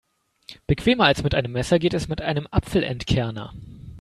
Bequemer als mit einem Messer geht es mit einem Apfelentkerner.